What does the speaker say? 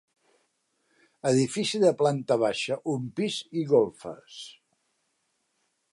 Edifici de planta baixa, un pis i golfes.